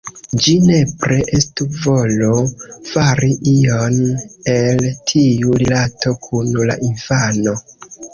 Ĝi nepre estu volo fari ion el tiu rilato kun la infano.